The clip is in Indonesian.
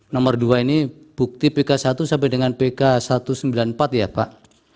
nomor dua ini bukti pk satu sampai dengan pk satu ratus sembilan puluh empat ya pak